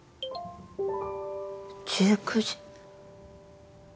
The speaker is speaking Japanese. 「１９時」。